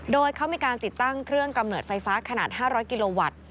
โดยเขามีการติดตั้งเครื่องกำเนิดไฟฟ้าขนาด๕๐๐กิโลวัตต์